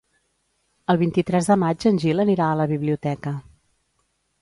El vint-i-tres de maig en Gil anirà a la biblioteca.